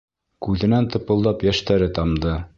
Күҙенән тыпылдап йәштәре тамды.